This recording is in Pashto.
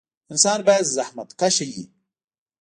انسان باید زخمتکشه وي